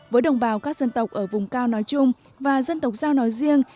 với đồng bào các dân tộc ở vùng cao nói chung và dân tộc giao nói riêng